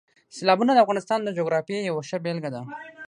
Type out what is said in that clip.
سیلابونه د افغانستان د جغرافیې یوه ښه بېلګه ده.